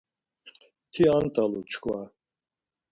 Ti ant̆alu çkva.